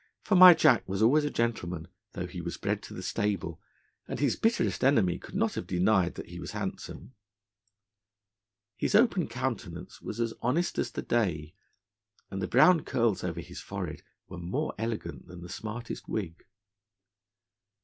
For my Jack was always a gentleman, though he was bred to the stable, and his bitterest enemy could not have denied that he was handsome. His open countenance was as honest as the day, and the brown curls over his forehead were more elegant than the smartest wig.